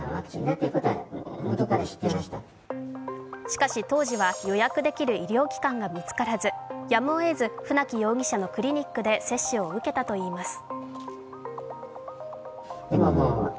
しかし、当時は予約できる医療機関が見つからず、やむをえず、船木容疑者のクリニックで接種を受けたといいます。